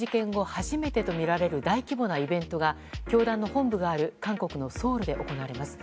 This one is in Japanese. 初めてとみられる大規模なイベントが教団の本部がある韓国のソウルで行われます。